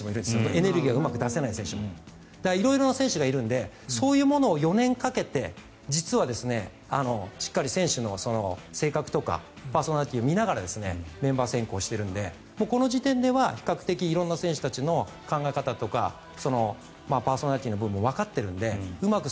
エネルギーがうまく出せない選手も色々な選手がいるのでそういうものを４年かけて実はしっかり選手の性格とかパーソナリティーを見ながらメンバー選考をしているのでこの時点では比較的色んな選手たちの考え方とかパーソナリティーの部分をわかっているのでうまく